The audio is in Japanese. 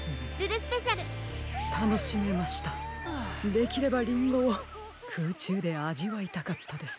できればりんごをくうちゅうであじわいたかったです。